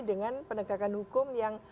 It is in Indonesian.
dengan penegakan hukum yang